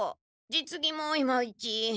実技もいまいち。